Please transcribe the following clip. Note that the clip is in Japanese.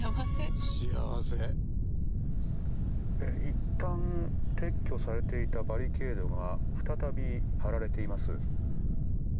いったん撤去されていたバリケードが再び張られています。